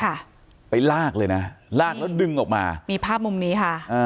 ค่ะไปลากเลยนะลากแล้วดึงออกมามีภาพมุมนี้ค่ะอ่า